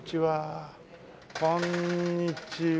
こんにちは。